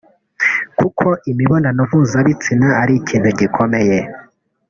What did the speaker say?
kuko imibanano mpuzabitsina ari ikintu gikomeye